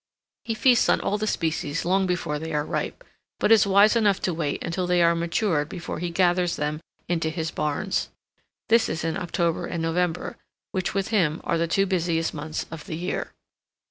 He feasts on all the species long before they are ripe, but is wise enough to wait until they are matured before he gathers them into his barns. This is in October and November, which with him are the two busiest months of the year.